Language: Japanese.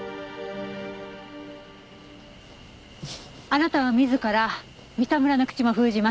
あなたは自ら三田村の口も封じましたね。